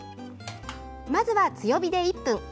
まずは強火で１分。